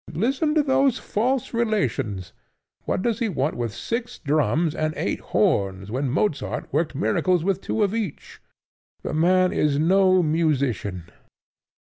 Listen to those false relations! What does he want with six drums and eight horns when Mozart worked miracles with two of each? The man is no musician."